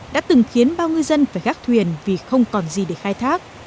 đã từng khiến bao ngư dân phải gác thuyền vì không còn gì để khai thác